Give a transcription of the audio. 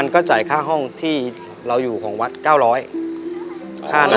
ก็จ่ายค่าห้องที่เราอยู่ของวัด๙๐๐บาท